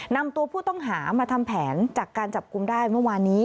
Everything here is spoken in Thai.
นำตัวผู้ต้องหามาทำแผนจากการจับกลุ่มได้เมื่อวานนี้